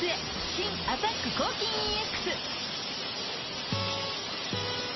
新「アタック抗菌ＥＸ」